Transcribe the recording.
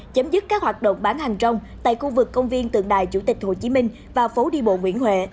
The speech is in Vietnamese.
chấm dứt các hoạt động bán hàng rong tại khu vực công viên tượng đài chủ tịch hồ chí minh và phố đi bộ nguyễn huệ